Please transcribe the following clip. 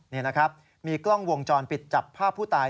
นี่นะครับมีกล้องวงจรปิดจับภาพผู้ตาย